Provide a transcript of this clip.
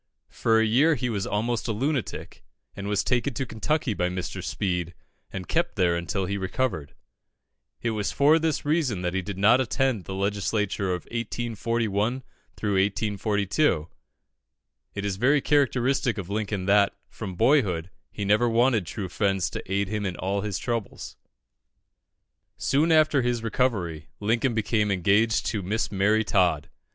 For a year he was almost a lunatic, and was taken to Kentucky by Mr. Speed, and kept there until he recovered. It was for this reason that he did not attend the Legislature of 1841 42. It is very characteristic of Lincoln that, from boyhood, he never wanted true friends to aid him in all his troubles. Soon after his recovery, Lincoln became engaged to Miss Mary Todd.